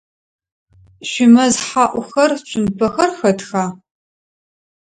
Шъуимэз хьаӏухэр, цумпэхэр хэтха?